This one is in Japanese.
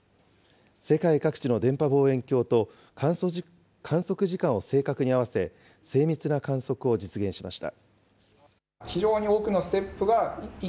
世界各地の電波望遠鏡と、観測時間を正確に合わせ、精密な観測を実現しました。